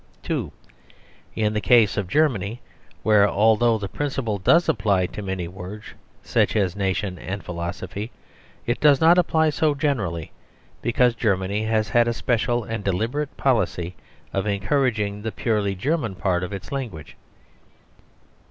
(2) In the case of Germany, where, although the principle does apply to many words such as "nation" and "philosophy," it does not apply so generally, because Germany has had a special and deliberate policy of encouraging the purely German part of its language.